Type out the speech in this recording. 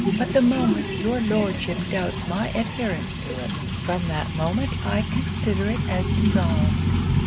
But the moment your Lordship doubts my adherence to it, from that moment I consider it as dissolved.'